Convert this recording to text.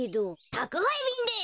たくはいびんです。